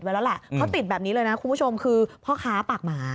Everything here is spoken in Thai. ไว้แล้วแหละเขาติดแบบนี้เลยนะคุณผู้ชมคือพ่อค้าปากหมา